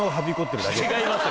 違います